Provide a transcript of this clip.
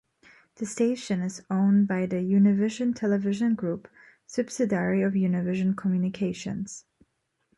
The station is owned by the Univision Television Group subsidiary of Univision Communications.